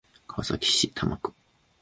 川崎市多摩区